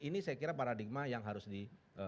ini saya kira paradigma yang harus di